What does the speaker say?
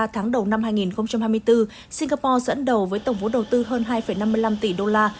trong năm hai nghìn hai mươi bốn singapore sẽ ấn đầu với tổng vốn đầu tư hơn hai năm mươi năm tỷ đô la